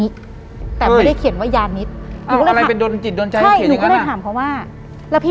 หลังจากนั้นเราไม่ได้คุยกันนะคะเดินเข้าบ้านอืม